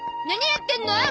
何やってんの？